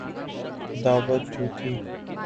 عداوت جو تھی۔